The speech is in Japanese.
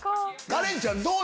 カレンちゃんどう？